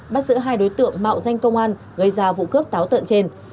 bắt giữ hai đối tượng mạo danh công an gây ra vụ cướp táo tợn trên